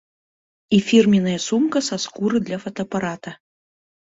І фірменная сумка са скуры для фотаапарата.